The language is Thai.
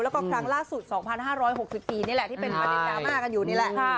แล้วก็ครั้งล่าสุด๒๕๖๔นี่แหละที่เป็นประเด็นดราม่ากันอยู่นี่แหละ